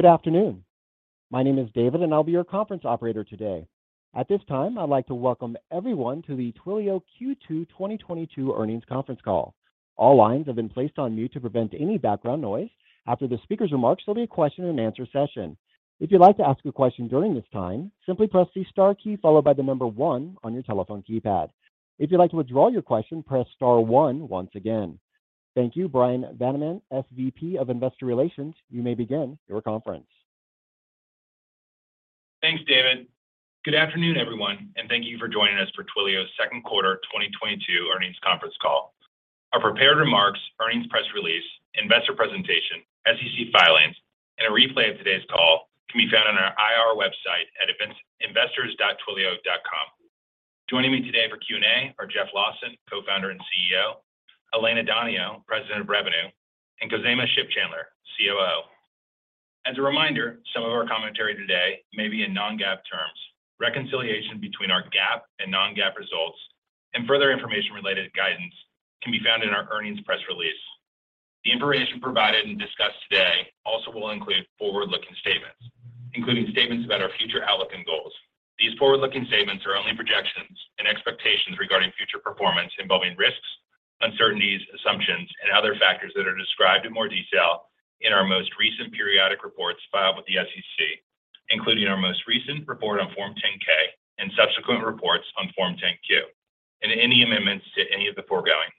Good afternoon. My name is David, and I'll be your conference operator today. At this time, I'd like to welcome everyone to the Twilio Q2 2022 Earnings Conference Call. All lines have been placed on mute to prevent any background noise. After the speaker's remarks, there'll be a question-and-answer session. If you'd like to ask a question during this time, simply press the star key followed by the number one on your telephone keypad. If you'd like to withdraw your question, press star one once again. Thank you, Bryan Vaniman, SVP of Investor Relations. You may begin your conference. Thanks, David. Good afternoon, everyone, and thank you for joining us for Twilio's Second Quarter 2022 Earnings Conference Call. Our prepared remarks, earnings press release, investor presentation, SEC filings, and a replay of today's call can be found on our IR website at investors.twilio.com. Joining me today for Q&A are Jeff Lawson, Co-founder and CEO; Elena Donio, President of Revenue; and Khozema Shipchandler, COO. As a reminder, some of our commentary today may be in non-GAAP terms. Reconciliation between our GAAP and non-GAAP results and further information related guidance can be found in our earnings press release. The information provided and discussed today also will include forward-looking statements, including statements about our future outlook and goals. These forward-looking statements are only projections and expectations regarding future performance involving risks, uncertainties, assumptions, and other factors that are described in more detail in our most recent periodic reports filed with the SEC, including our most recent report on Form 10-K and subsequent reports on Form 10-Q, and any amendments to any of the foregoing,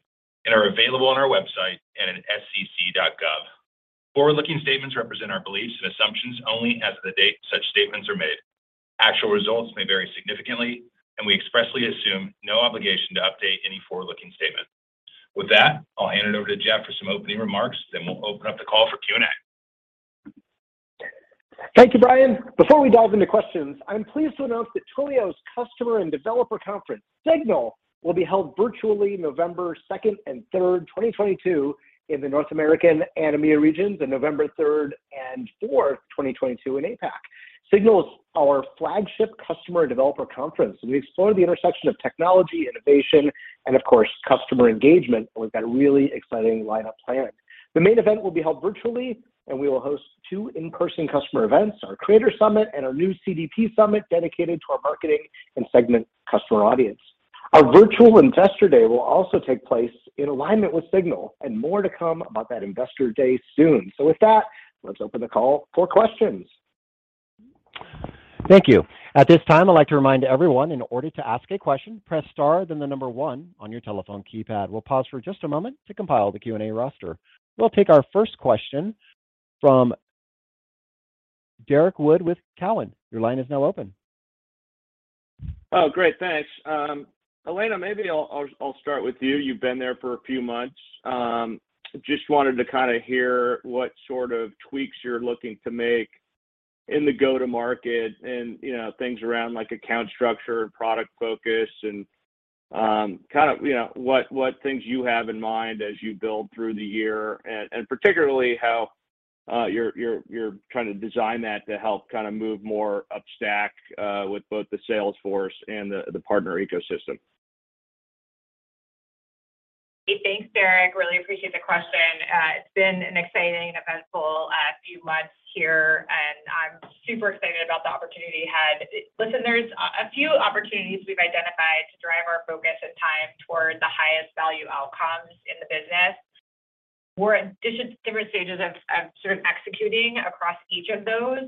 and are available on our website and at sec.gov. Forward-looking statements represent our beliefs and assumptions only as of the date such statements are made. Actual results may vary significantly, and we expressly assume no obligation to update any forward-looking statement. With that, I'll hand it over to Jeff for some opening remarks, then we'll open up the call for Q&A. Thank you, Bryan. Before we dive into questions, I'm pleased to announce that Twilio's customer and developer conference, SIGNAL, will be held virtually November second and third, 2022 in the North American and EMEA regions, and November 3rd and 4th, 2022 in APAC. SIGNAL is our flagship customer and developer conference, and we explore the intersection of technology, innovation, and of course, customer engagement, and we've got a really exciting lineup planned. The main event will be held virtually, and we will host two in-person customer events, our Creator Summit and our new CDP Summit dedicated to our marketing and segment customer audience. Our virtual Investor Day will also take place in alignment with SIGNAL, and more to come about that Investor Day soon. With that, let's open the call for questions. Thank you. At this time, I'd like to remind everyone in order to ask a question, press star, then the number one on your telephone keypad. We'll pause for just a moment to compile the Q&A roster. We'll take our first question from Derrick Wood with Cowen. Your line is now open. Oh, great. Thanks. Elena, maybe I'll start with you. You've been there for a few months. Just wanted to kind of hear what sort of tweaks you're looking to make in the go-to-market and, you know, things around like account structure, product focus, and, kind of, you know, what things you have in mind as you build through the year, and particularly how you're trying to design that to help kind of move more upstack with both the sales force and the partner ecosystem. Hey, thanks, Derrick. Really appreciate the question. It's been an exciting, eventful few months here, and I'm super excited about the opportunity at hand. Listen, there's a few opportunities we've identified to drive our focus and time towards the highest value outcomes in the business. We're at different stages of sort of executing across each of those.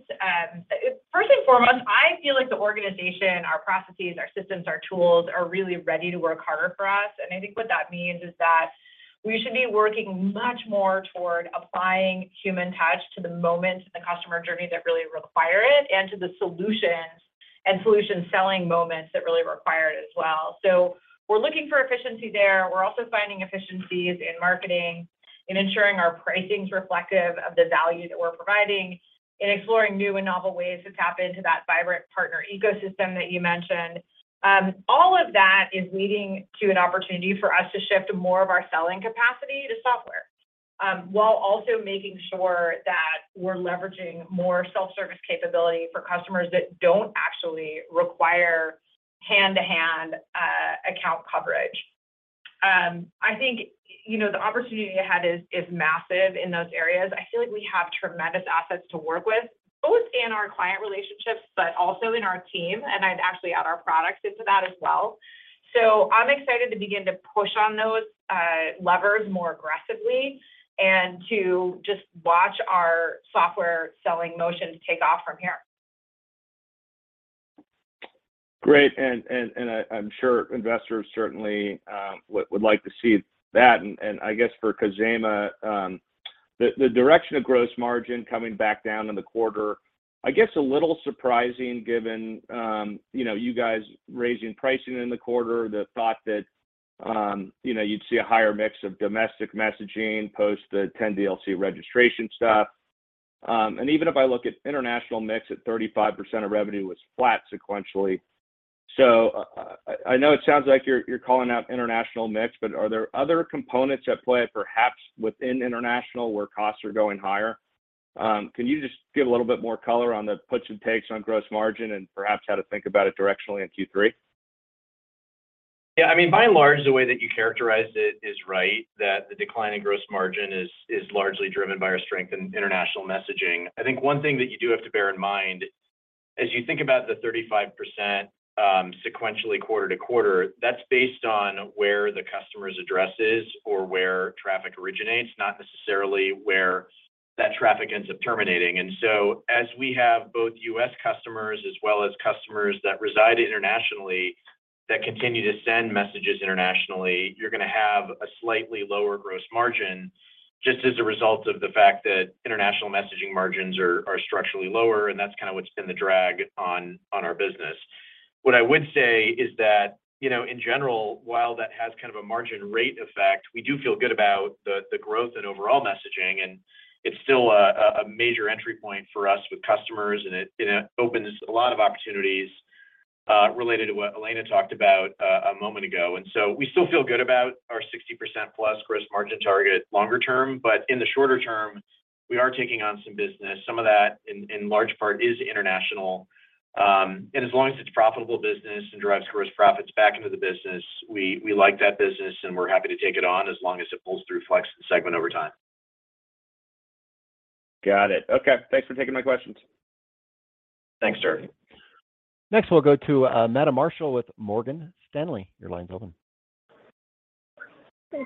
First and foremost, I feel like the organization, our processes, our systems, our tools are really ready to work harder for us. I think what that means is that we should be working much more toward applying human touch to the moments in the customer journey that really require it and to the solutions and solution selling moments that really require it as well. We're looking for efficiency there. We're also finding efficiencies in marketing, in ensuring our pricing's reflective of the value that we're providing, in exploring new and novel ways to tap into that vibrant partner ecosystem that you mentioned. All of that is leading to an opportunity for us to shift more of our selling capacity to software, while also making sure that we're leveraging more self-service capability for customers that don't actually require hand-to-hand account coverage. I think, you know, the opportunity at hand is massive in those areas. I feel like we have tremendous assets to work with, both in our client relationships, but also in our team, and I'd actually add our products into that as well. I'm excited to begin to push on those levers more aggressively and to just watch our software selling motion take off from here. Great. I'm sure investors certainly would like to see that. I guess for Khozema, the direction of gross margin coming back down in the quarter, I guess a little surprising given you know you guys raising pricing in the quarter, the thought that you know you'd see a higher mix of domestic messaging post the 10DLC registration stuff. Even if I look at international mix at 35% of revenue was flat sequentially. I know it sounds like you're calling out international mix, but are there other components at play perhaps within international where costs are going higher? Can you just give a little bit more color on the puts and takes on gross margin and perhaps how to think about it directionally in Q3? Yeah, I mean, by and large, the way that you characterized it is right, that the decline in gross margin is largely driven by our strength in international messaging. I think one thing that you do have to bear in mind as you think about the 35%, sequentially quarter-over-quarter, that's based on where the customer's address is or where traffic originates, not necessarily where that traffic ends up terminating. As we have both U.S. customers as well as customers that reside internationally that continue to send messages internationally, you're gonna have a slightly lower gross margin just as a result of the fact that international messaging margins are structurally lower, and that's kind of what's been the drag on our business. What I would say is that, you know, in general, while that has kind of a margin rate effect, we do feel good about the growth in overall messaging, and it's still a major entry point for us with customers, and it opens a lot of opportunities, related to what Elena talked about a moment ago. We still feel good about our 60%+ gross margin target longer term. In the shorter term, we are taking on some business. Some of that in large part is international. As long as it's profitable business and drives gross profits back into the business, we like that business, and we're happy to take it on as long as it pulls Flex and Segment over time. Got it. Okay. Thanks for taking my questions. Thanks, Derrick. Next, we'll go to, Meta Marshall with Morgan Stanley. Your line's open.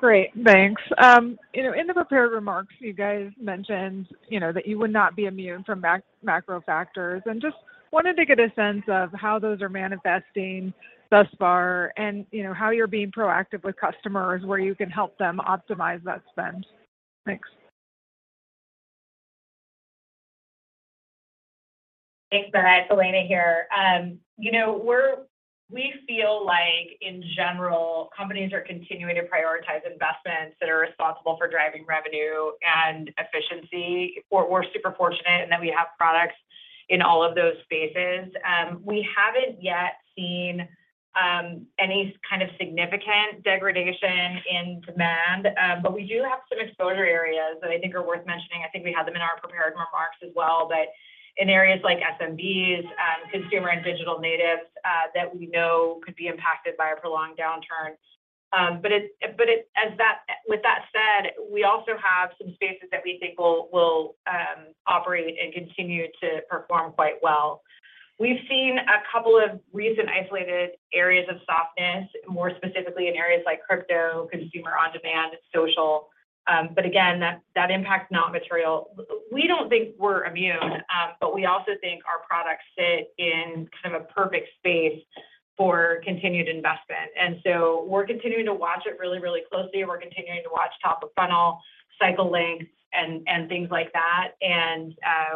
Great. Thanks. You know, in the prepared remarks, you guys mentioned, you know, that you would not be immune from macro factors, and just wanted to get a sense of how those are manifesting thus far and, you know, how you're being proactive with customers where you can help them optimize that spend. Thanks. Thanks, Meta. It's Elena here. You know, we feel like in general, companies are continuing to prioritize investments that are responsible for driving revenue and efficiency. We're super fortunate in that we have products in all of those spaces. We haven't yet seen any kind of significant degradation in demand, but we do have some exposure areas that I think are worth mentioning. I think we had them in our prepared remarks as well, but in areas like SMBs, consumer and digital natives, that we know could be impacted by a prolonged downturn. With that said, we also have some spaces that we think will operate and continue to perform quite well. We've seen a couple of recent isolated areas of softness, more specifically in areas like crypto, consumer on-demand, social. Again, that impact's not material. We don't think we're immune, but we also think our products sit in kind of a perfect space for continued investment. We're continuing to watch it really closely, and we're continuing to watch top of funnel, cycle lengths, and things like that.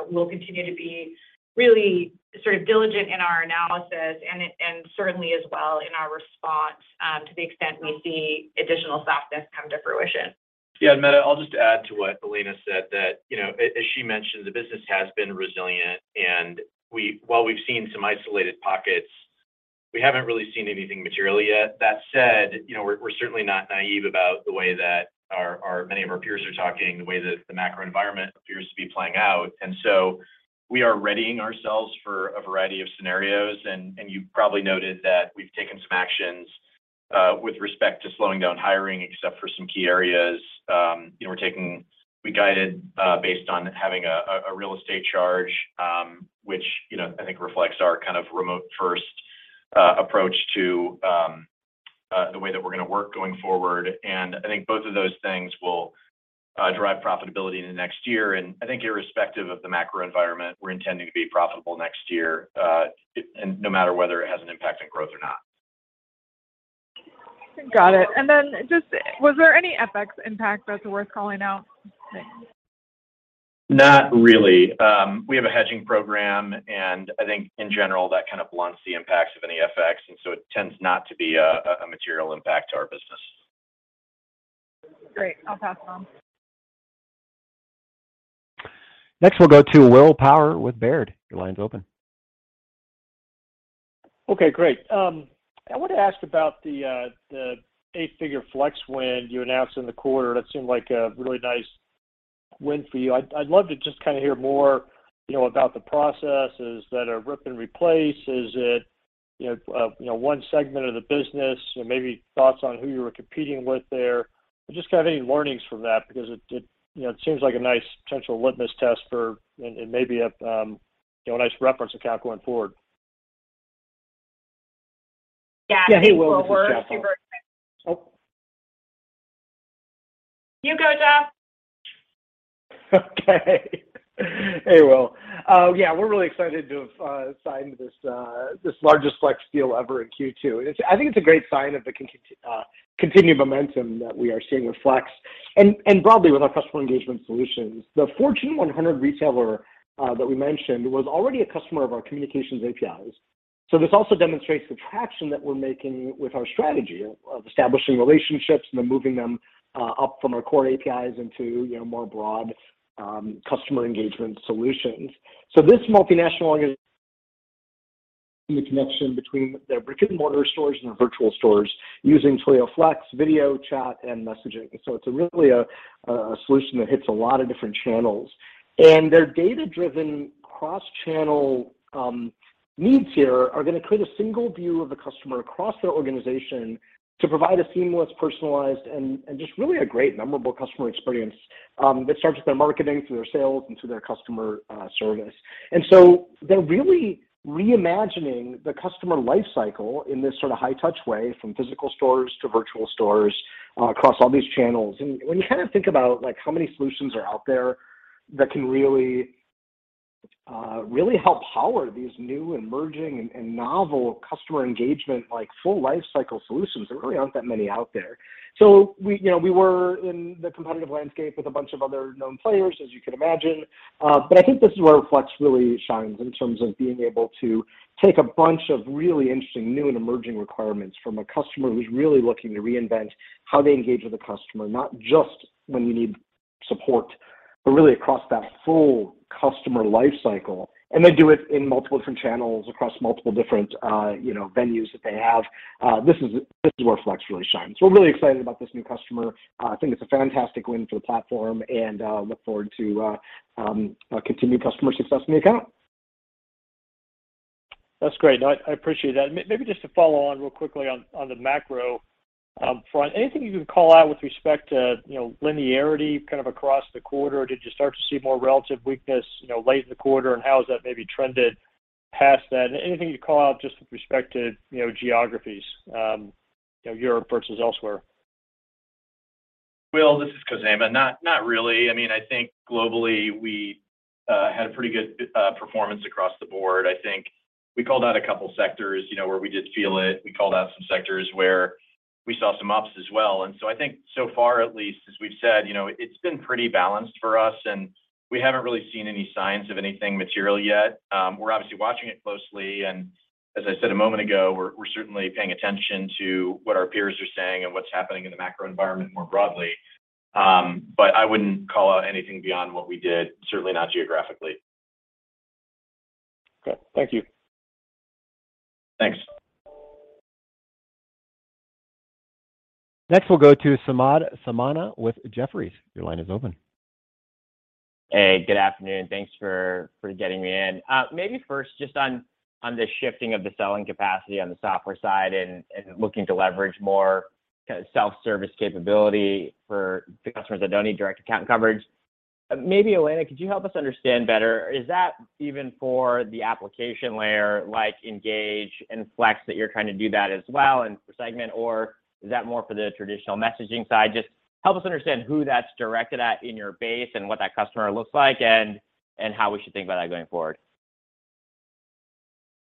We'll continue to be really sort of diligent in our analysis and certainly as well in our response, to the extent we see additional softness come to fruition. Yeah. Meta, I'll just add to what Elena said that, you know, as she mentioned, the business has been resilient. While we've seen some isolated pockets, we haven't really seen anything material yet. That said, you know, we're certainly not naive about the way that many of our peers are talking, the way that the macro environment appears to be playing out. We are readying ourselves for a variety of scenarios and you've probably noted that we've taken some actions with respect to slowing down hiring except for some key areas. You know, we guided based on having a real estate charge, which, you know, I think reflects our kind of remote first approach to the way that we're gonna work going forward. I think both of those things will drive profitability into next year. I think irrespective of the macro environment, we're intending to be profitable next year, and no matter whether it has an impact on growth or not. Got it. Just was there any FX impact that's worth calling out? Thanks. Not really. We have a hedging program, and I think in general, that kind of blunts the impacts of any FX, and so it tends not to be a material impact to our business. Great. I'll pass on. Next, we'll go to Will Power with Baird. Your line's open. Okay, great. I wanted to ask about the eight-figure Flex win you announced in the quarter. That seemed like a really nice win for you. I'd love to just kind of hear more, you know, about the processes. Is that a rip and replace? Is it, you know, you know, one segment of the business? You know, maybe thoughts on who you were competing with there, or just kind of any learnings from that because it, you know, it seems like a nice potential litmus test for, and maybe a, you know, a nice reference account going forward. Yeah. Yeah. Hey, Will. This is Jeff on. We're super excited. You go, Jeff. Okay. Hey, Will. We're really excited to have signed this largest Flex deal ever in Q2. I think it's a great sign of the continued momentum that we are seeing with Flex and broadly with our customer engagement solutions. The Fortune 100 retailer that we mentioned was already a customer of our communications APIs. This also demonstrates the traction that we're making with our strategy of establishing relationships and then moving them up from our core APIs into you know more broad customer engagement solutions. This multinational organization. The connection between their brick-and-mortar stores and their virtual stores using Twilio Flex, video chat, and messaging. It's really a solution that hits a lot of different channels. Their data-driven cross-channel needs here are gonna create a single view of the customer across their organization to provide a seamless, personalized, and just really a great memorable customer experience that starts with their marketing through their sales and through their customer service. They're really reimagining the customer life cycle in this sort of high touch way from physical stores to virtual stores across all these channels. When you kind of think about like how many solutions are out there that can really help power these new and emerging and novel customer engagement, like full life cycle solutions, there really aren't that many out there. We, you know, we were in the competitive landscape with a bunch of other known players as you can imagine. I think this is where Flex really shines in terms of being able to take a bunch of really interesting new and emerging requirements from a customer who's really looking to reinvent how they engage with a customer, not just when you need support, but really across that full customer life cycle. They do it in multiple different channels across multiple different, you know, venues that they have. This is where Flex really shines. We're really excited about this new customer. I think it's a fantastic win for the platform and look forward to continuing customer success in the account. That's great. I appreciate that. Maybe just to follow on real quickly on the macro front. Anything you can call out with respect to, you know, linearity kind of across the quarter? Did you start to see more relative weakness, you know, late in the quarter? How has that maybe trended past that? Anything you'd call out just with respect to, you know, geographies, you know, Europe versus elsewhere? Will, this is Khozema. Not really. I mean, I think globally we had pretty good performance across the board. I think we called out a couple sectors, you know, where we did feel it. We called out some sectors where we saw some ups as well. I think so far at least, as we've said, you know, it's been pretty balanced for us, and we haven't really seen any signs of anything material yet. We're obviously watching it closely, and as I said a moment ago, we're certainly paying attention to what our peers are saying and what's happening in the macro environment more broadly. I wouldn't call out anything beyond what we did, certainly not geographically. Okay. Thank you. Thanks. Next, we'll go to Samad Samana with Jefferies. Your line is open. Hey, good afternoon. Thanks for getting me in. Maybe first just on the shifting of the selling capacity on the software side and looking to leverage more self-service capability for the customers that don't need direct account coverage. Maybe, Elena, could you help us understand better, is that even for the application layer like Engage and Flex that you're trying to do that as well and for Segment, or is that more for the traditional messaging side? Just help us understand who that's directed at in your base and what that customer looks like and how we should think about that going forward.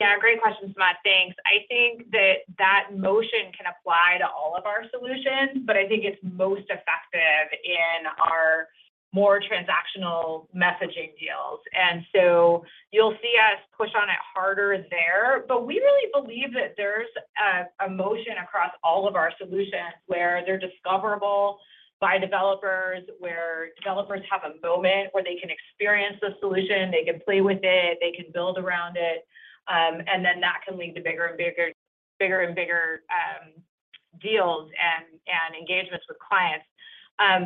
Yeah, great question, Samad. Thanks. I think that motion can apply to all of our solutions, but I think it's most effective in our more transactional messaging deals. You'll see us push on it harder there. We really believe that there's a motion across all of our solutions where they're discoverable by developers, where developers have a moment where they can experience the solution, they can play with it, they can build around it. That can lead to bigger and bigger deals and engagements with clients.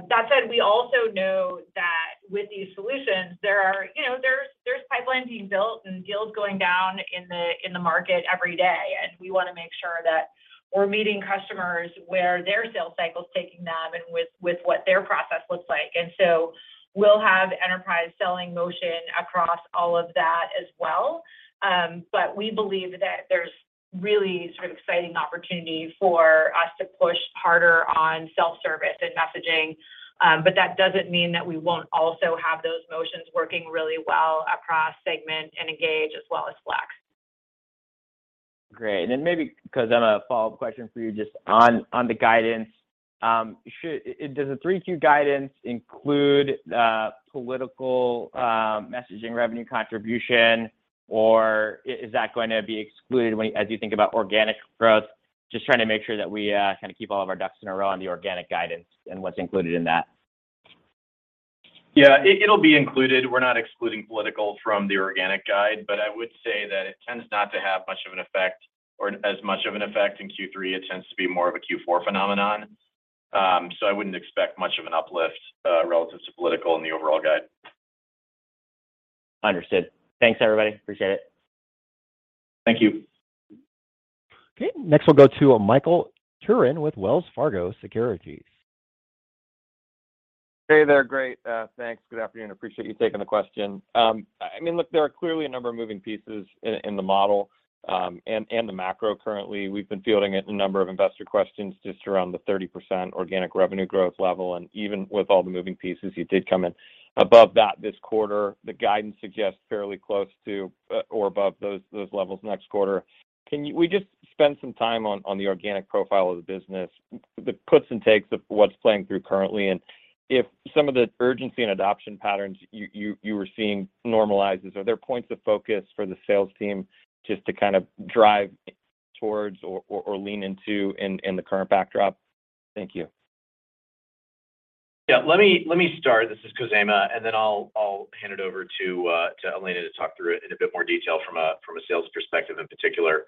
That said, we also know that with these solutions, there are, you know, there's pipelines being built and deals going down in the market every day, and we wanna make sure that we're meeting customers where their sales cycle is taking them and with what their process looks like. We'll have enterprise selling motion across all of that as well. We believe that there's really sort of exciting opportunity for us to push harder on self-service and messaging. That doesn't mean that we won't also have those motions working really well across Segment and Engage as well as Flex. Great. Maybe, Khozema, a follow-up question for you just on the guidance. Does the 3Q guidance include political messaging revenue contribution, or is that going to be excluded as you think about organic growth? Just trying to make sure that we kinda keep all of our ducks in a row on the organic guidance and what's included in that. Yeah, it'll be included. We're not excluding political from the organic guide, but I would say that it tends not to have much of an effect or as much of an effect in Q3. It tends to be more of a Q4 phenomenon. I wouldn't expect much of an uplift relative to political in the overall guide. Understood. Thanks, everybody. Appreciate it. Thank you. Okay. Next, we'll go to Michael Turrin with Wells Fargo Securities. Hey there. Great. Thanks. Good afternoon. Appreciate you taking the question. I mean, look, there are clearly a number of moving pieces in the model and the macro currently. We've been fielding a number of investor questions just around the 30% organic revenue growth level. Even with all the moving pieces, you did come in above that this quarter. The guidance suggests fairly close to or above those levels next quarter. Can we just spend some time on the organic profile of the business, the puts and takes of what's playing through currently, and if some of the urgency and adoption patterns you were seeing normalizes, are there points of focus for the sales team just to kind of drive towards or lean into in the current backdrop? Thank you. Yeah. Let me start. This is Khozema, and then I'll hand it over to Elena to talk through it in a bit more detail from a sales perspective in particular.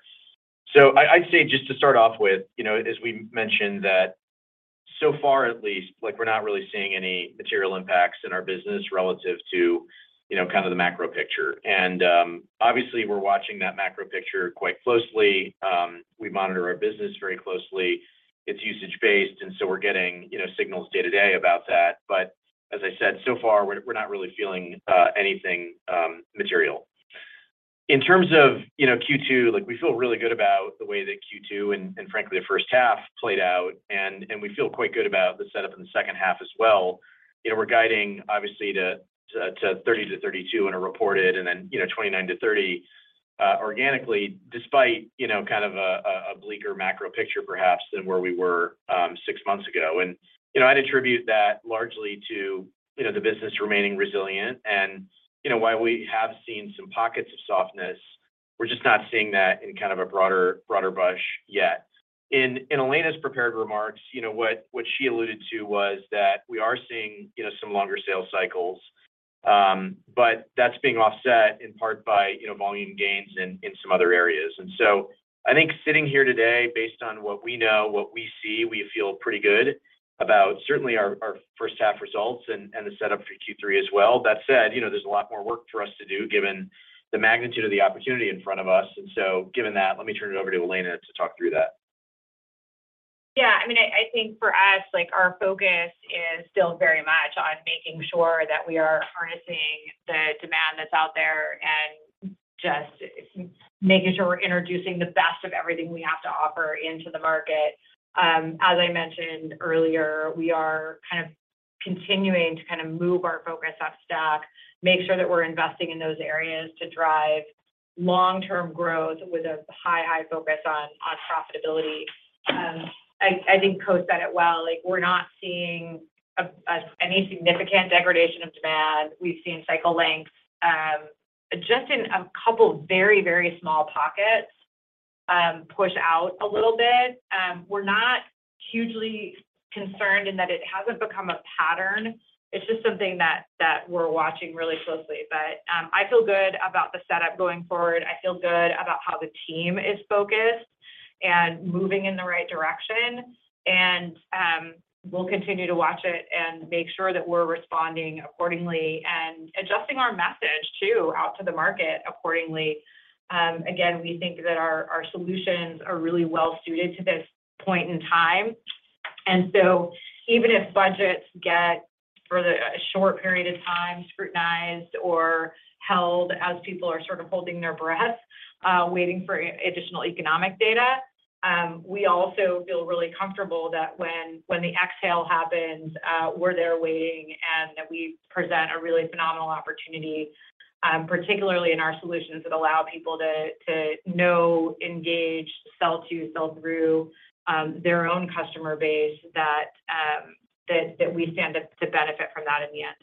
I'd say just to start off with, you know, as we mentioned. So far, at least, like, we're not really seeing any material impacts in our business relative to, you know, kind of the macro picture. Obviously we're watching that macro picture quite closely. We monitor our business very closely. It's usage-based, and so we're getting, you know, signals day to day about that. But as I said, so far we're not really feeling anything material. In terms of, you know, Q2, like we feel really good about the way that Q2 and frankly the first half played out, and we feel quite good about the setup in the second half as well. You know, we're guiding obviously to 30%-32% reported and then, you know, 29%-30% organically despite, you know, kind of a bleaker macro picture perhaps than where we were six months ago. You know, I'd attribute that largely to, you know, the business remaining resilient and, you know, while we have seen some pockets of softness, we're just not seeing that in kind of a broader brush yet. In Elena's prepared remarks, you know, what she alluded to was that we are seeing, you know, some longer sales cycles. That's being offset in part by, you know, volume gains in some other areas. I think sitting here today, based on what we know, what we see, we feel pretty good about certainly our first half results and the setup for Q3 as well. That said, you know, there's a lot more work for us to do given the magnitude of the opportunity in front of us. Given that, let me turn it over to Elena to talk through that. Yeah, I mean, I think for us, like our focus is still very much on making sure that we are harnessing the demand that's out there and just making sure we're introducing the best of everything we have to offer into the market. As I mentioned earlier, we are kind of continuing to kind of move our focus up stack, make sure that we're investing in those areas to drive long-term growth with a high focus on profitability. I think Khozema said it well, like we're not seeing any significant degradation of demand. We've seen cycle lengths, just in a couple very small pockets, push out a little bit. We're not hugely concerned in that it hasn't become a pattern. It's just something that we're watching really closely. I feel good about the setup going forward. I feel good about how the team is focused and moving in the right direction and we'll continue to watch it and make sure that we're responding accordingly and adjusting our message to the market accordingly. Again, we think that our solutions are really well suited to this point in time, and so even if budgets get for the short period of time scrutinized or held as people are sort of holding their breath, waiting for additional economic data, we also feel really comfortable that when the exhale happens, we're there waiting and that we present a really phenomenal opportunity, particularly in our solutions that allow people to know, engage, sell to, sell through their own customer base that we stand to benefit from that in the end.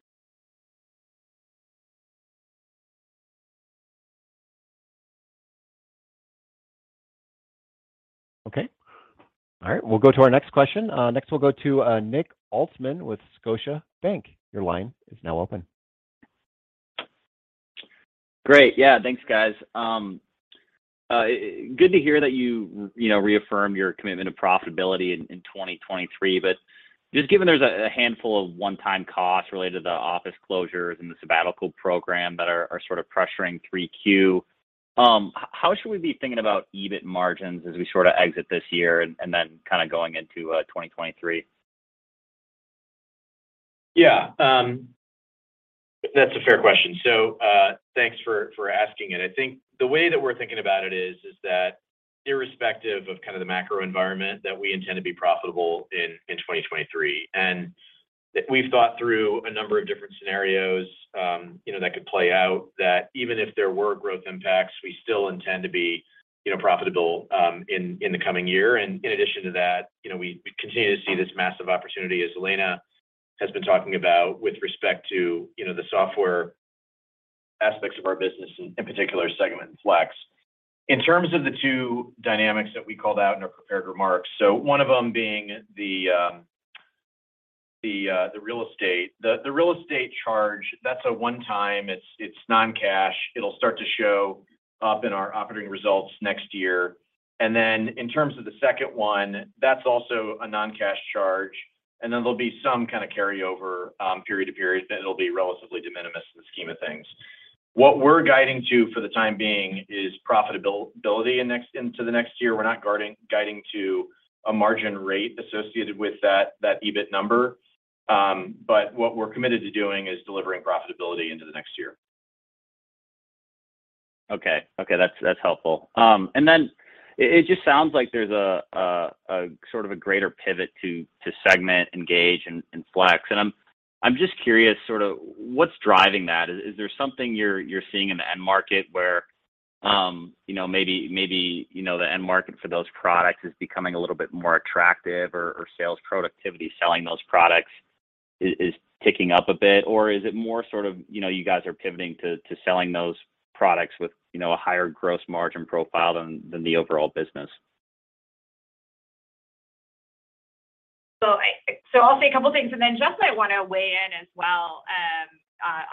Okay. All right, we'll go to our next question. Next we'll go to Nick Altmann with Scotiabank. Your line is now open. Great. Yeah, thanks guys. Good to hear that you know reaffirm your commitment to profitability in 2023, but just given there's a handful of one-time costs related to office closures and the sabbatical program that are sort of pressuring 3Q, how should we be thinking about EBIT margins as we sort of exit this year and then kind of going into 2023? Yeah. That's a fair question. So, thanks for asking it. I think the way that we're thinking about it is that irrespective of kind of the macro environment that we intend to be profitable in 2023. We've thought through a number of different scenarios, you know, that could play out that even if there were growth impacts, we still intend to be, you know, profitable in the coming year. In addition to that, you know, we continue to see this massive opportunity as Elena has been talking about with respect to, you know, the software aspects of our business in particular Segment, Flex. In terms of the two dynamics that we called out in our prepared remarks. One of them being the real estate. The real estate charge, that's a one-time, it's non-cash. It'll start to show up in our operating results next year. Then in terms of the second one, that's also a non-cash charge, and then there'll be some kind of carryover, period to period, but it'll be relatively de minimis in the scheme of things. What we're guiding to for the time being is profitability into the next year. We're not guiding to a margin rate associated with that EBIT number. What we're committed to doing is delivering profitability into the next year. Okay. That's helpful. Then it just sounds like there's a sort of a greater pivot to Segment, Engage, and Flex, and I'm just curious sort of what's driving that. Is there something you're seeing in the end market where, you know, maybe the end market for those products is becoming a little bit more attractive or sales productivity selling those products is ticking up a bit? Is it more sort of, you know, you guys are pivoting to selling those products with, you know, a higher gross margin profile than the overall business? I'll say a couple things and then Jeff Lawson might wanna weigh in as well.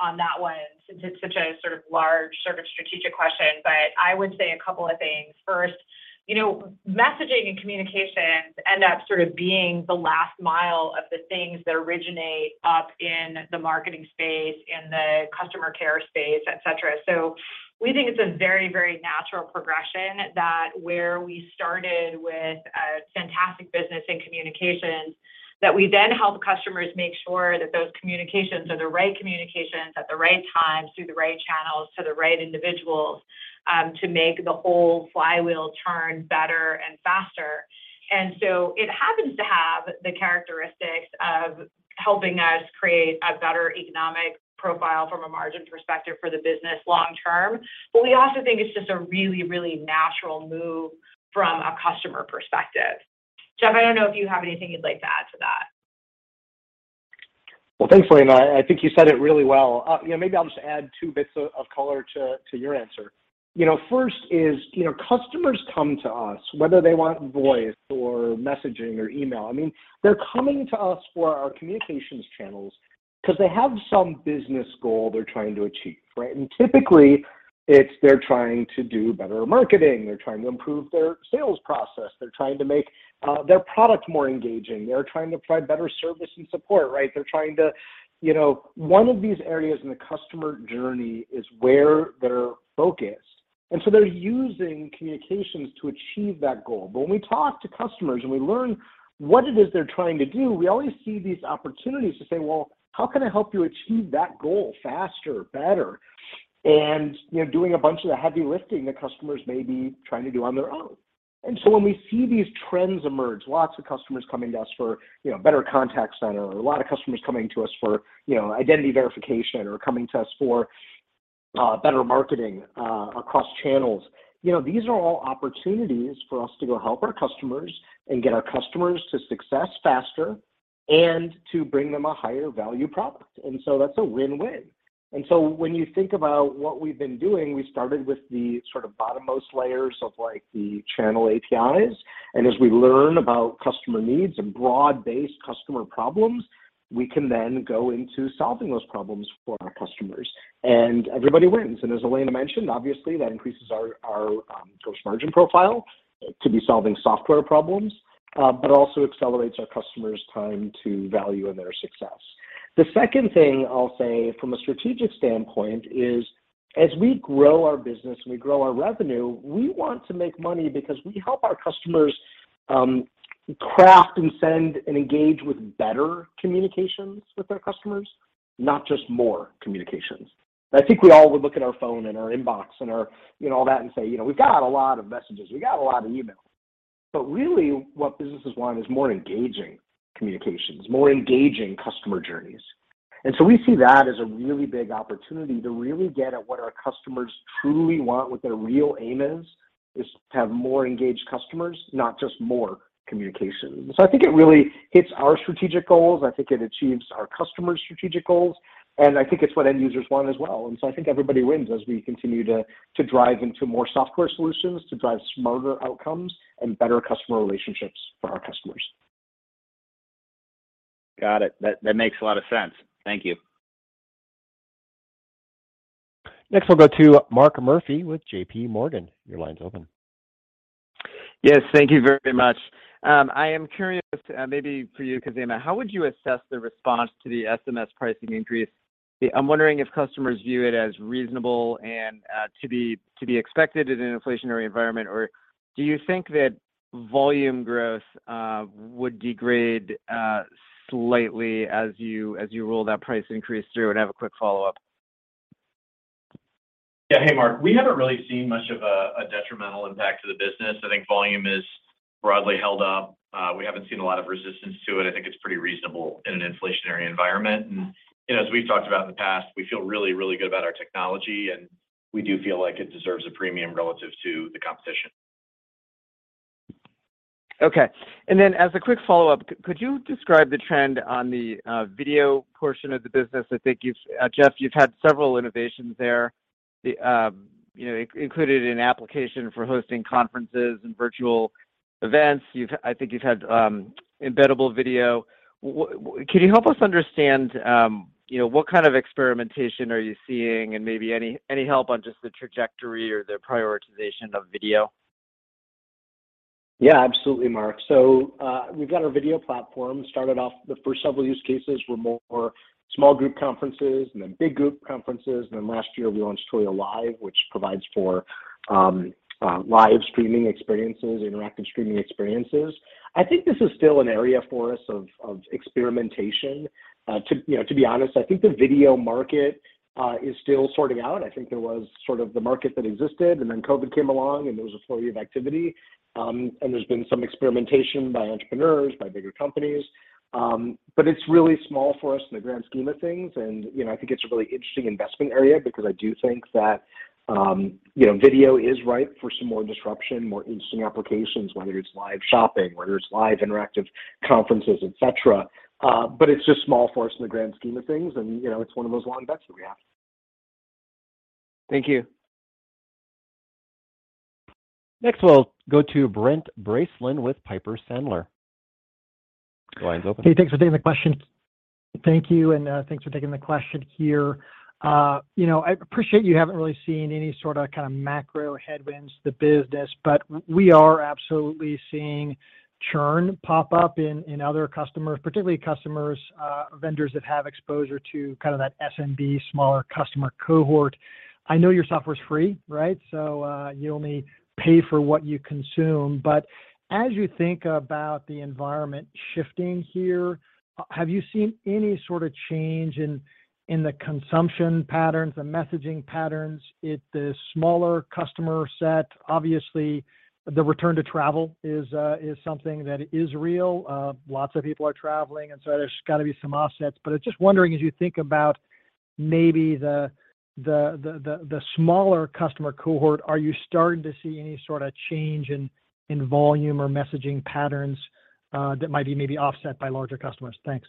On that one, since it's such a sort of large sort of strategic question, but I would say a couple of things. First, you know, messaging and communications end up sort of being the last mile of the things that originate up in the marketing space, in the customer care space, et cetera. We think it's a very, very natural progression that where we started with a fantastic business in communications, that we then help customers make sure that those communications are the right communications at the right times through the right channels to the right individuals, to make the whole flywheel turn better and faster. It happens to have the characteristics of helping us create a better economic profile from a margin perspective for the business long term. We also think it's just a really, really natural move from a customer perspective. Jeff, I don't know if you have anything you'd like to add to that. Well, thanks, Elena. I think you said it really well. You know, maybe I'll just add two bits of color to your answer. You know, first is, you know, customers come to us whether they want voice or messaging or email. I mean, they're coming to us for our communications channels 'cause they have some business goal they're trying to achieve, right? Typically, it's they're trying to do better marketing. They're trying to improve their sales process. They're trying to make their product more engaging. They're trying to provide better service and support, right? You know, one of these areas in the customer journey is where they're focused, and so they're using communications to achieve that goal. When we talk to customers and we learn what it is they're trying to do, we always see these opportunities to say, "Well, how can I help you achieve that goal faster, better?" you know, doing a bunch of the heavy lifting the customers may be trying to do on their own. When we see these trends emerge, lots of customers coming to us for, you know, better contact center, or a lot of customers coming to us for, you know, identity verification, or coming to us for, better marketing, across channels. You know, these are all opportunities for us to go help our customers and get our customers to success faster and to bring them a higher value product, and so that's a win-win. When you think about what we've been doing, we started with the sort of bottommost layers of, like, the channel APIs. As we learn about customer needs and broad-based customer problems, we can then go into solving those problems for our customers, and everybody wins. As Elena mentioned, obviously that increases our gross margin profile to be solving software problems, but also accelerates our customers' time to value and their success. The second thing I'll say from a strategic standpoint is as we grow our business and we grow our revenue, we want to make money because we help our customers craft and send and engage with better communications with their customers, not just more communications. I think we all would look at our phone and our inbox and our, you know, all that and say, "You know, we've got a lot of messages. We got a lot of emails." Really what businesses want is more engaging communications, more engaging customer journeys. We see that as a really big opportunity to really get at what our customers truly want, what their real aim is to have more engaged customers, not just more communications. I think it really hits our strategic goals. I think it achieves our customers' strategic goals, and I think it's what end users want as well. I think everybody wins as we continue to drive into more software solutions, to drive smarter outcomes and better customer relationships for our customers. Got it. That makes a lot of sense. Thank you. Next we'll go to Mark Murphy with JPMorgan. Your line's open. Yes. Thank you very much. I am curious, maybe for you, Khozema, how would you assess the response to the SMS pricing increase? I'm wondering if customers view it as reasonable and to be expected in an inflationary environment, or do you think that volume growth would degrade slightly as you roll that price increase through? I have a quick follow-up. Yeah. Hey, Mark. We haven't really seen much of a detrimental impact to the business. I think volume is broadly held up. We haven't seen a lot of resistance to it. I think it's pretty reasonable in an inflationary environment. You know, as we've talked about in the past, we feel really, really good about our technology, and we do feel like it deserves a premium relative to the competition. As a quick follow-up, could you describe the trend on the video portion of the business? I think Jeff, you've had several innovations there. Included an application for hosting conferences and virtual events. I think you've had embeddable video. Can you help us understand what kind of experimentation are you seeing and maybe any help on just the trajectory or the prioritization of video? Yeah. Absolutely, Mark. We've got our video platform. Started off the first several use cases were more small group conferences and then big group conferences. Then last year we launched Twilio Live, which provides for live streaming experiences, interactive streaming experiences. I think this is still an area for us of experimentation. You know, to be honest, I think the video market is still sorting out. I think there was sort of the market that existed, and then COVID came along, and there was a slow year of activity. There's been some experimentation by entrepreneurs, by bigger companies. It's really small for us in the grand scheme of things. You know, I think it's a really interesting investment area because I do think that, you know, video is ripe for some more disruption, more interesting applications, whether it's live shopping, whether it's live interactive conferences, et cetera. It's just small for us in the grand scheme of things. You know, it's one of those long bets that we have. Thank you. Next, we'll go to Brent Bracelin with Piper Sandler. The line's open. Hey, thanks for taking the question. Thank you, and thanks for taking the question here. You know, I appreciate you haven't really seen any sort of kind of macro headwinds the business, but we are absolutely seeing churn pop up in other customers. Particularly customers or vendors that have exposure to kind of that SMB smaller customer cohort. I know your software's free, right? So you only pay for what you consume. As you think about the environment shifting here, have you seen any sort of change in the consumption patterns, the messaging patterns at the smaller customer set? Obviously, the return to travel is something that is real. Lots of people are traveling, and so there's gotta be some offsets. I'm just wondering, as you think about maybe the smaller customer cohort, are you starting to see any sort of change in volume or messaging patterns, that might be maybe offset by larger customers? Thanks.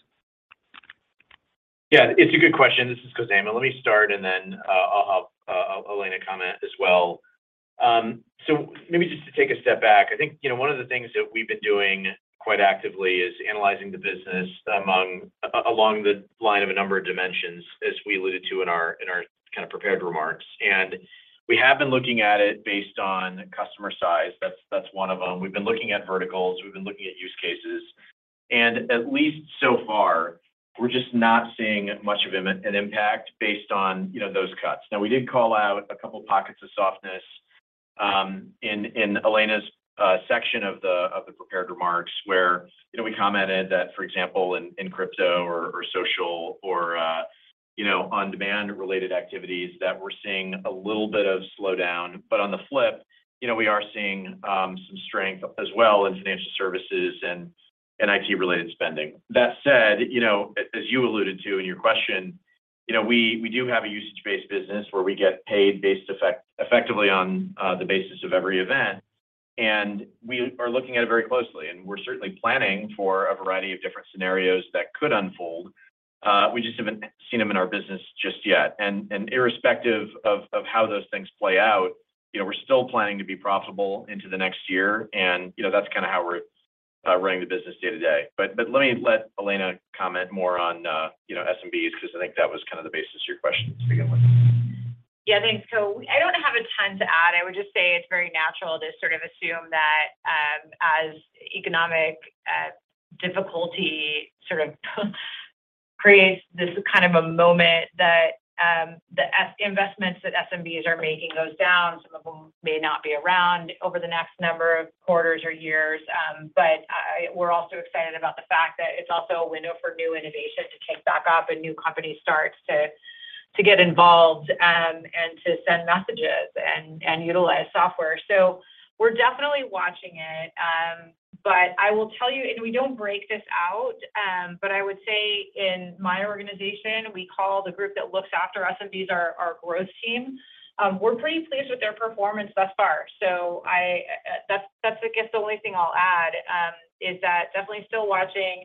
Yeah. It's a good question. This is Khozema. Let me start, and then, I'll have Elena comment as well. So maybe just to take a step back, I think, you know, one of the things that we've been doing quite actively is analyzing the business along the line of a number of dimensions, as we alluded to in our kind of prepared remarks. We have been looking at it based on customer size. That's one of them. We've been looking at verticals. We've been looking at use cases. At least so far, we're just not seeing much of an impact based on, you know, those cuts. Now, we did call out a couple pockets of softness in Elena's section of the prepared remarks where, you know, we commented that, for example, in crypto or social or, you know, on-demand related activities that we're seeing a little bit of slowdown. On the flip, you know, we are seeing some strength as well in financial services and IT related spending. That said, you know, as you alluded to in your question, you know, we do have a usage-based business where we get paid based effectively on the basis of every event, and we are looking at it very closely. We're certainly planning for a variety of different scenarios that could unfold. We just haven't seen them in our business just yet. Irrespective of how those things play out, you know, we're still planning to be profitable into the next year. You know, that's kinda how we're running the business day to day. Let me let Elena comment more on you know, SMBs 'cause I think that was kind of the basis of your question to begin with. Yeah, thanks. I don't have a ton to add. I would just say it's very natural to sort of assume that, as economic difficulty sort of creates this kind of a moment that, the investments that SMBs are making goes down, some of them may not be around over the next number of quarters or years. We're also excited about the fact that it's also a window for new innovation to kick back up and new companies start to get involved, and to send messages and utilize software. We're definitely watching it. I will tell you, and we don't break this out, but I would say in my organization, we call the group that looks after SMBs our growth team. We're pretty pleased with their performance thus far. That's, I guess, the only thing I'll add, is that definitely still watching,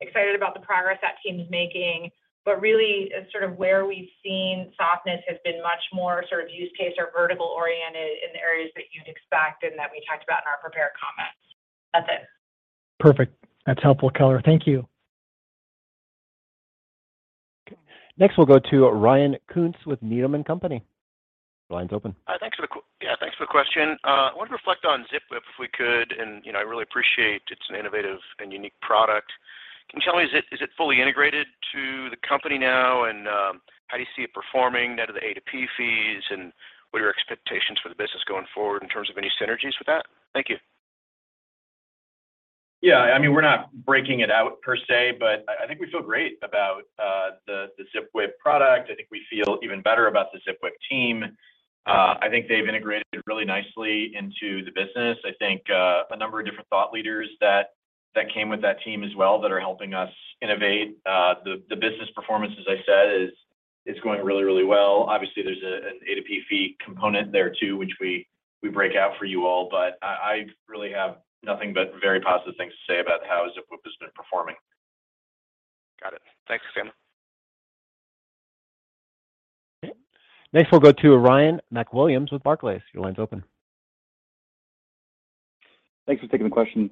excited about the progress that team's making. Really sort of where we've seen softness has been much more sort of use case or vertical oriented in the areas that you'd expect and that we talked about in our prepared comments. That's it. Perfect. That's helpful color. Thank you. Next, we'll go to Ryan Koontz with Needham & Company. The line's open. Yeah, thanks for the question. I wanted to reflect on Zipwhip if we could. You know, I really appreciate it's an innovative and unique product. Can you tell me, is it fully integrated into the company now, and how do you see it performing net of the A2P fees, and what are your expectations for the business going forward in terms of any synergies with that? Thank you. Yeah. I mean, we're not breaking it out per se, but I think we feel great about the Zipwhip product. I think we feel even better about the Zipwhip team. I think they've integrated really nicely into the business. I think a number of different thought leaders that came with that team as well that are helping us innovate. The business performance, as I said, is going really, really well. Obviously, there's an A2P fee component there too, which we break out for you all. I really have nothing but very positive things to say about how Zipwhip has been performing. Got it. Thanks, Khozema. Okay. Next, we'll go to Ryan MacWilliams with Barclays. Your line's open. Thanks for taking the question.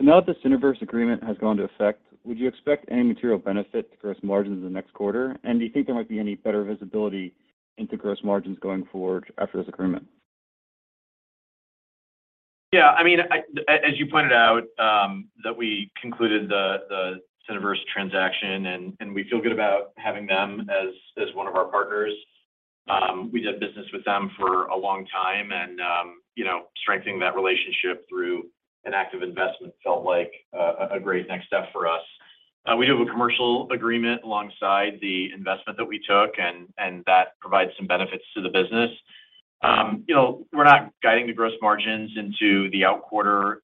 Now that this Syniverse agreement has gone to effect, would you expect any material benefit to gross margins in the next quarter? Do you think there might be any better visibility into gross margins going forward after this agreement? Yeah. I mean, as you pointed out, that we concluded the Syniverse transaction and we feel good about having them as one of our partners. We did business with them for a long time and you know, strengthening that relationship through an active investment felt like a great next step for us. We do have a commercial agreement alongside the investment that we took and that provides some benefits to the business. You know, we're not guiding the gross margins into the next quarter.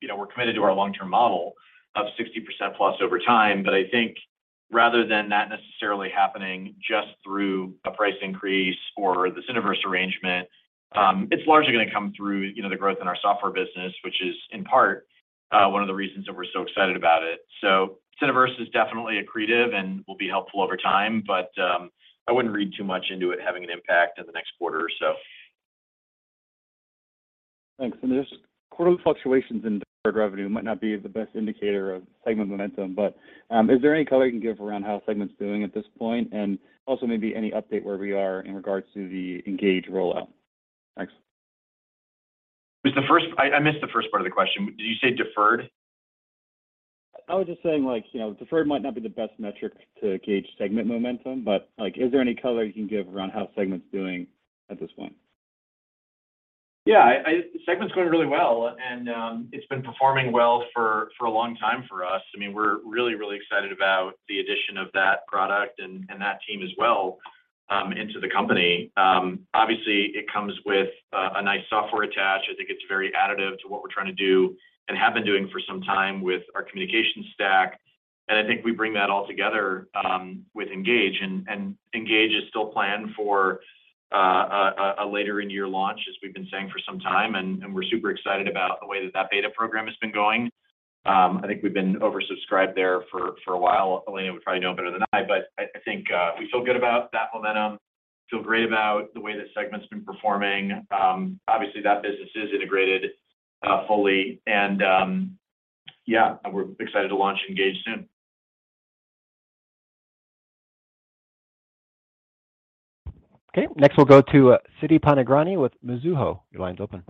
You know, we're committed to our long-term model of 60%+ over time. I think rather than that necessarily happening just through a price increase or the Syniverse arrangement, it's largely gonna come through, you know, the growth in our software business, which is in part, one of the reasons that we're so excited about it. Syniverse is definitely accretive and will be helpful over time, but, I wouldn't read too much into it having an impact in the next quarter or so. Thanks. There's quarterly fluctuations in deferred revenue might not be the best indicator of Segment momentum, but, is there any color you can give around how Segment's doing at this point? And also maybe any update where we are in regards to the Engage rollout? Thanks. I missed the first part of the question. Did you say deferred? I was just saying like, you know, deferred might not be the best metric to gauge Segment momentum, but, like, is there any color you can give around how Segment's doing at this point? Yeah. Segment's going really well, and it's been performing well for a long time for us. I mean, we're really excited about the addition of that product and that team as well into the company. Obviously it comes with a nice software attach. I think it's very additive to what we're trying to do and have been doing for some time with our communication stack. I think we bring that all together with Engage. Engage is still planned for a later this year launch, as we've been saying for some time, and we're super excited about the way that beta program has been going. I think we've been oversubscribed there for a while. Elena would probably know better than I, but I think we feel good about that momentum. Feel great about the way that Segment's been performing. Obviously that business is integrated fully and we're excited to launch Engage soon. Okay. Next we'll go to Siti Panigrahi with Mizuho. Your line's open.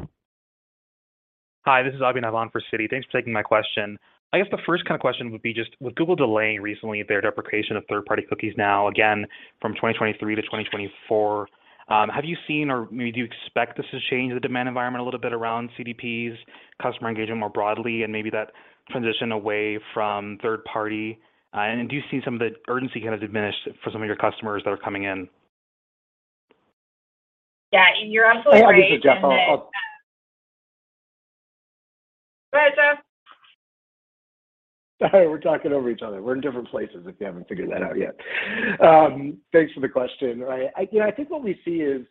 Hi, this is Abhinav for Siti. Thanks for taking my question. I guess the first kind of question would be just with Google delaying recently their deprecation of third-party cookies now again from 2023 to 2024, have you seen, or maybe do you expect this to change the demand environment a little bit around CDPs, customer engagement more broadly, and maybe that transition away from third-party? And do you see some of the urgency kind of diminished for some of your customers that are coming in? Yeah, you're absolutely right in that. Hey, this is Jeff. Go ahead, Jeff. Sorry, we're talking over each other. We're in different places, if you haven't figured that out yet. Thanks for the question. You know, I think what we see is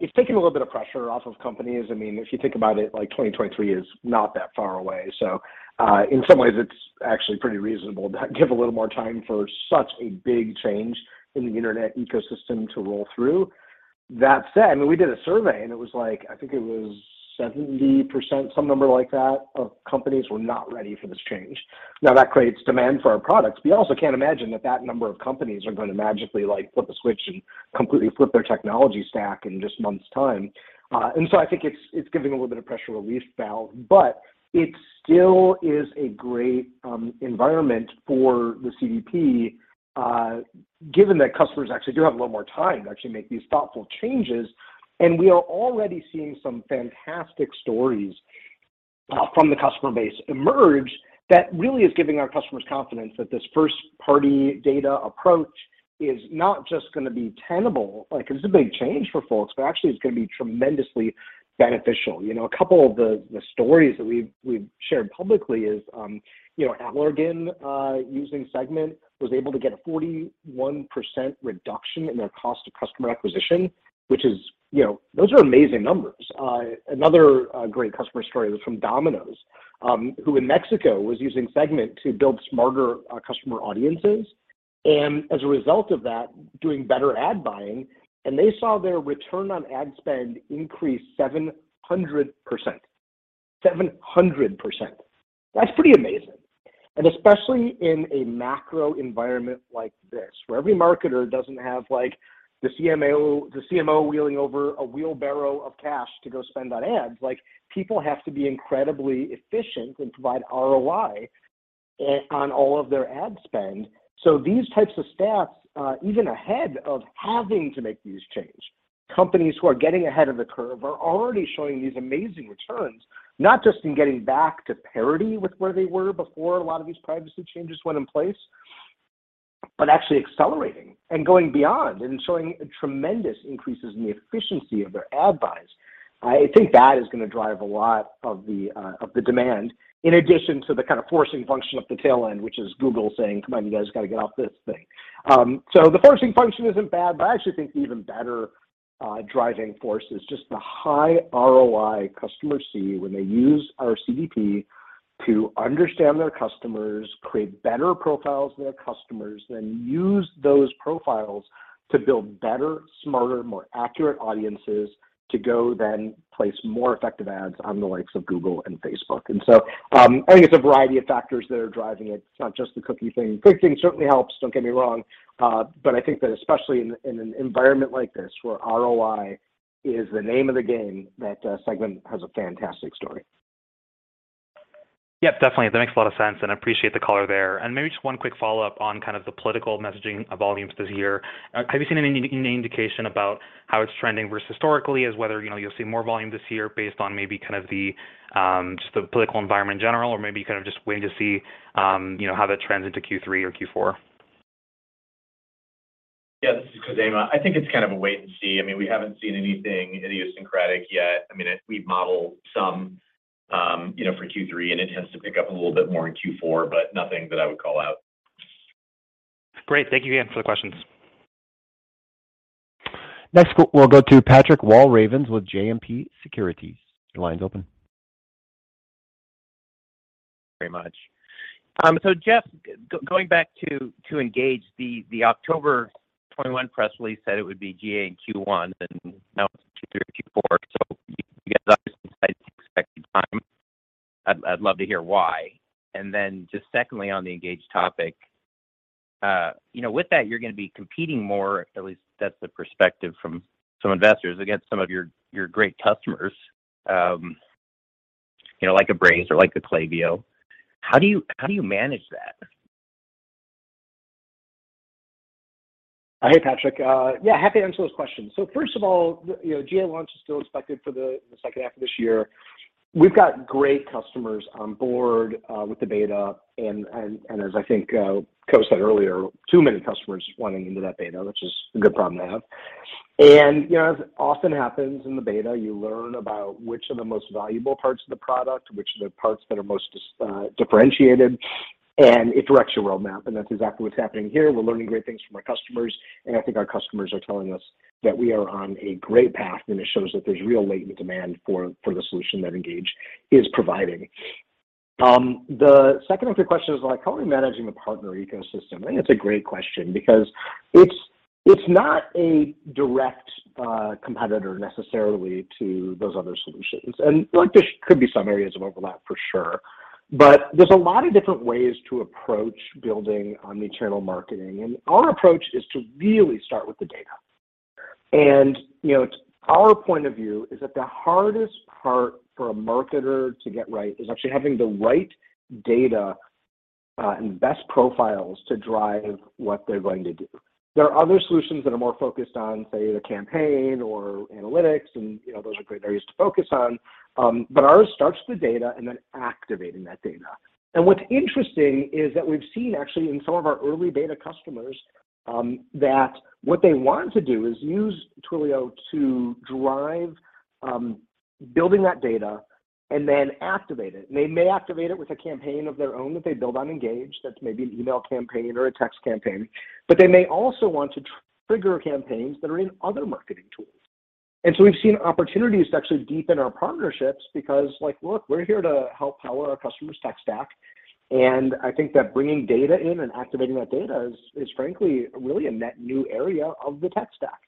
it's taking a little bit of pressure off of companies. I mean, if you think about it, like, 2023 is not that far away, so in some ways it's actually pretty reasonable to give a little more time for such a big change in the internet ecosystem to roll through. That said, I mean, we did a survey and it was like, I think it was 70%, some number like that, of companies were not ready for this change. Now, that creates demand for our products. We also can't imagine that that number of companies are gonna magically, like, flip a switch and completely flip their technology stack in just months' time. I think it's giving a little bit of pressure relief valve, but it still is a great environment for the CDP, given that customers actually do have a little more time to actually make these thoughtful changes. We are already seeing some fantastic stories from the customer base emerge that really is giving our customers confidence that this first-party data approach is not just gonna be tenable, like this is a big change for folks, but actually it's gonna be tremendously beneficial. You know, a couple of the stories that we've shared publicly is, you know, Allergan using Segment was able to get a 41% reduction in their cost of customer acquisition, which is, you know, those are amazing numbers. Another great customer story was from Domino's, who in Mexico was using Segment to build smarter customer audiences, and as a result of that, doing better ad buying, and they saw their return on ad spend increase 700%. 700%. That's pretty amazing. Especially in a macro environment like this, where every marketer doesn't have, like, the CMO wheeling over a wheelbarrow of cash to go spend on ads. Like, people have to be incredibly efficient and provide ROI on all of their ad spend. These types of stats, even ahead of having to make these changes, companies who are getting ahead of the curve are already showing these amazing returns, not just in getting back to parity with where they were before a lot of these privacy changes went in place, but actually accelerating and going beyond and showing tremendous increases in the efficiency of their ad buys. I think that is gonna drive a lot of the demand in addition to the kind of forcing function at the tail end, which is Google saying, "Come on, you guys, you gotta get off this thing." The forcing function isn't bad, but I actually think the even better driving force is just the high ROI customers see when they use our CDP to understand their customers, create better profiles of their customers, then use those profiles to build better, smarter, more accurate audiences to go then place more effective ads on the likes of Google and Facebook. I think it's a variety of factors that are driving it. It's not just the cookie thing. Cookie thing certainly helps, don't get me wrong. I think that especially in an environment like this where ROI is the name of the game, that Segment has a fantastic story. Yep, definitely. That makes a lot of sense, and appreciate the color there. Maybe just one quick follow-up on kind of the political messaging volumes this year. Have you seen any indication about how it's trending versus historically or whether, you know, you'll see more volume this year based on maybe kind of the just the political environment in general, or maybe kind of just waiting to see, you know, how that trends into Q3 or Q4? Yeah, this is Khozema. I think it's kind of a wait and see. I mean, we haven't seen anything idiosyncratic yet. I mean, we've modeled some for Q3, and it tends to pick up a little bit more in Q4, but nothing that I would call out. Great. Thank you again for the questions. We'll go to Patrick Walravens with JMP Securities. Your line's open. Very much. Jeff, going back to Engage, the October 2021 press release said it would be GA in Q1, and now it's Q3 or Q4, so you guys are inside the expected time. I'd love to hear why. Just secondly on the Engage topic, you know, with that you're gonna be competing more, at least that's the perspective from some investors, against some of your great customers, you know, like a Braze or like a Klaviyo. How do you manage that? Hey Patrick. Yeah, happy to answer those questions. First of all, you know, GA launch is still expected for the second half of this year. We've got great customers on board with the beta and as I think Khozema Shipchandler said earlier, too many customers wanting into that beta, which is a good problem to have. You know, as often happens in the beta, you learn about which are the most valuable parts of the product, which are the parts that are most differentiated, and it directs your roadmap. That's exactly what's happening here. We're learning great things from our customers, and I think our customers are telling us that we are on a great path, and it shows that there's real latent demand for the solution that Engage is providing. The second of your questions was like how are we managing the partner ecosystem? I think that's a great question because it's not a direct competitor necessarily to those other solutions. Look, there could be some areas of overlap for sure, but there's a lot of different ways to approach building omni-channel marketing, and our approach is to really start with the data. You know, our point of view is that the hardest part for a marketer to get right is actually having the right data and best profiles to drive what they're going to do. There are other solutions that are more focused on, say, the campaign or analytics and, you know, those are great areas to focus on, but ours starts with the data and then activating that data. What's interesting is that we've seen actually in some of our early beta customers, that what they want to do is use Twilio to drive building that data and then activate it, and they may activate it with a campaign of their own that they build on Engage, that's maybe an email campaign or a text campaign, but they may also want to trigger campaigns that are in other marketing tools. We've seen opportunities to actually deepen our partnerships because, like, look, we're here to help power our customers' tech stack, and I think that bringing data in and activating that data is frankly really a net new area of the tech stack.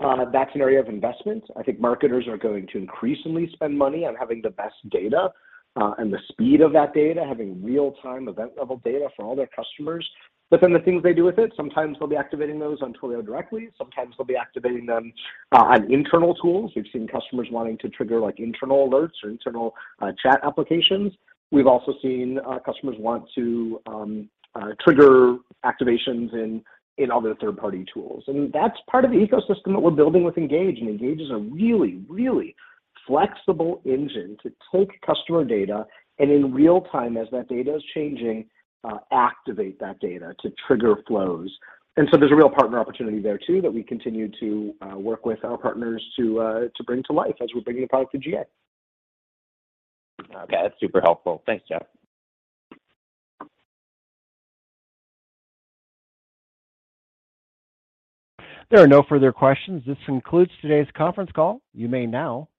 That's an area of investment. I think marketers are going to increasingly spend money on having the best data, and the speed of that data, having real-time event level data for all their customers. Then the things they do with it, sometimes they'll be activating those on Twilio directly, sometimes they'll be activating them on internal tools. We've seen customers wanting to trigger like internal alerts or internal chat applications. We've also seen customers want to trigger activations in other third party tools. That's part of the ecosystem that we're building with Engage, and Engage is a really, really flexible engine to take customer data and in real time as that data is changing, activate that data to trigger flows. There's a real partner opportunity there too, that we continue to work with our partners to bring to life as we're bringing the product to GA. Okay. That's super helpful. Thanks, Jeff. There are no further questions. This concludes today's conference call. You may now disconnect.